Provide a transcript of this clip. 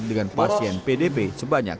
dengan pasien pdb sebanyak sebelas jiwa